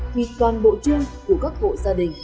thì toàn bộ trung của các hộ gia đình